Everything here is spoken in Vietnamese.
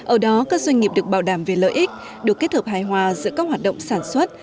ở đó các doanh nghiệp được bảo đảm về lợi ích được kết hợp hài hòa giữa các hoạt động sản xuất